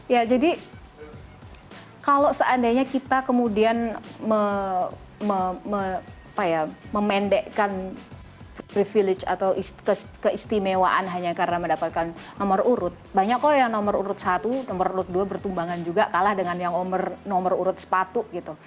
ya jadi kalau seandainya kita kemudian memendekkan privilege atau keistimewaan hanya karena mendapatkan nomor urut banyak kok yang nomor urut satu nomor urut dua bertumbangan juga kalah dengan yang nomor urut sepatu gitu